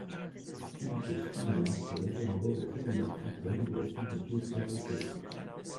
Filippo Spinola est référendaire au tribunal suprême de la Signature apostolique.